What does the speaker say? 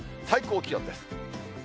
最高気温です。